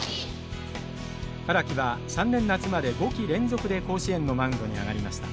荒木は３年夏まで５季連続で甲子園のマウンドに上がりました。